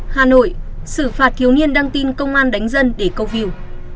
hà nội xử phạt thiếu niên đăng tin công an đánh dân để câu view